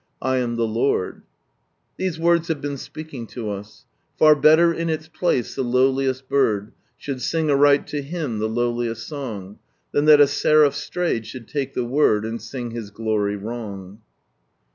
1 am the Lord" These words have been speaking to us —" Far better id its place the lowliest bird Should sing aright to Him the lowiint song, i strayed sheulii lait tht Word And sing His glory luraiig."